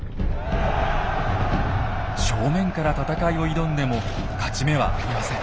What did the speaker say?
正面から戦いを挑んでも勝ち目はありません。